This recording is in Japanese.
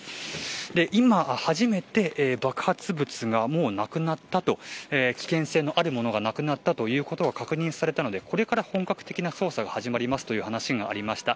今初めて爆発物が、もうなくなったと危険性のあるものがなくなったということが確認されたのでこれから本格的な捜査が始まりますという話がありました。